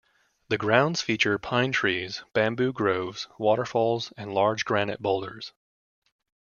The grounds feature pine trees, bamboo groves, waterfalls and large granite boulders.